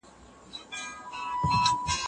تاسو باید د مقالي لپاره یوه نوې لاره انتخاب کړئ.